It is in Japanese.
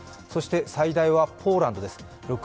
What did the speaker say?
そして最大はポーランドです。